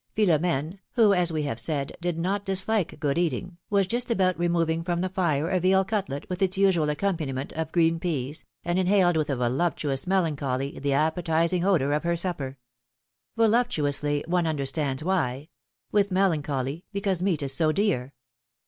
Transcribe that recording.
Philom^ne, who, as we have J said, did not dislike good eating, was just about removing from the fire a veal cutlet with its usual accom paniment of green peas, and inhaled with a voluptuous melancholy the appetizing odor of her supper. Voluptu ously, one understands why; with melancholy, because meat is so dear!